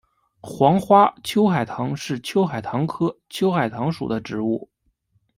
黄花秋海棠是秋海棠科秋海棠属的植物。